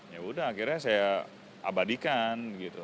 yaudah akhirnya saya abadikan gitu